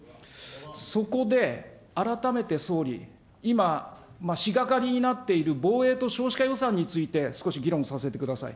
そこで、改めて総理、今、になっている防衛と少子化予算について、少し議論させてください。